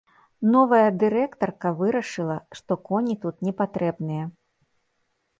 Новая дырэктарка вырашыла, што коні тут непатрэбныя.